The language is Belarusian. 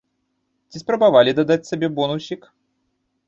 Ці спрабавалі дадаць сабе бонусік?